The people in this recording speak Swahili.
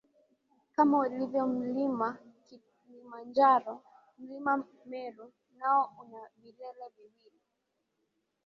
Kama ulivyo mlima Kilimanjaro Mlima Meru nao una vilele viwili